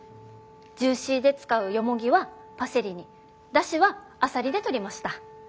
ジューシーで使うヨモギはパセリに出汁はアサリでとりました。